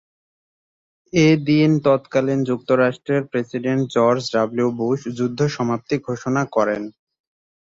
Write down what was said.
এদিন তৎকালীন যুক্তরাষ্ট্রের প্রেসিডেন্ট জর্জ ডব্লিউ বুশ যুদ্ধ সমাপ্তি ঘোষণা করেন।